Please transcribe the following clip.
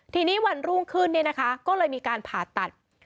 ทีนี้วันรุ่งขึ้นก็เลยมีการผ่าตัด